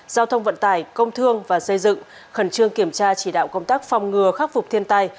giao thông vận tải công thương và xây dựng khẩn trương kiểm tra chỉ đạo công tác phòng ngừa khắc phục thiên tai